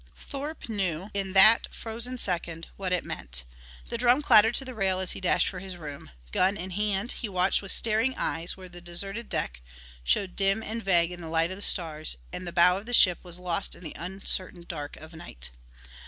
Thorpe knew in that frozen second what it meant. The drum clattered to the rail as he dashed for his room. Gun in hand, he watched with staring eyes where the deserted deck showed dim and vague in the light of the stars and the bow of the ship was lost in the uncertain dark of night.